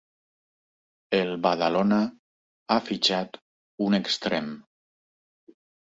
El Badalona ha fitxat un extrem.